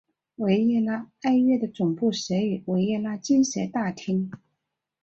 维也纳爱乐的总部设于维也纳金色大厅。